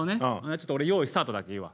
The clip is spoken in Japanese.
ちょっと俺「よいスタート」だけ言うわ。